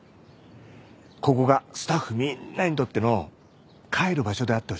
ここがスタッフみんなにとっての帰る場所であってほしいの。